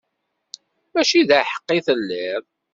Mačči d aḥeqqi i telliḍ.